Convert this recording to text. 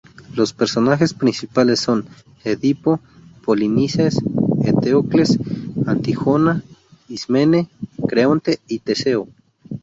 Los personajes principales son: Edipo, Polinices, Eteocles, Antígona, Ismene, Creonte y Teseo.